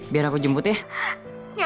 biar aku jemput ya